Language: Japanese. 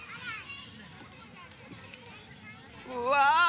うわ！